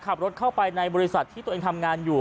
ขับรถเข้าไปในบริษัทที่ตัวเองทำงานอยู่